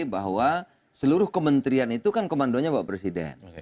bahwa seluruh kementerian itu kan komandonya pak presiden